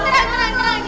ini aku pak rt